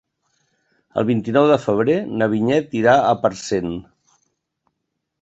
El vint-i-nou de febrer na Vinyet irà a Parcent.